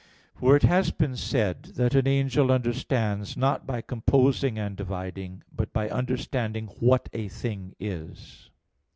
For it has been said (A. 4) that an angel understands not by composing and dividing, but by understanding what a thing is.